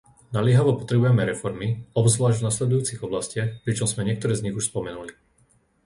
Naliehavo potrebujeme reformy, obzvlášť v nasledujúcich oblastiach, pričom sme niektoré z nich už spomenuli.